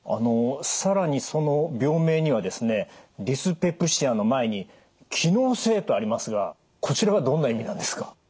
更にその病名にはですね「ディスペプシア」の前に「機能性」とありますがこちらはどんな意味なんですか？